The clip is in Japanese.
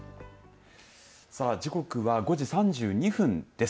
さあ、時刻は５時３２分です。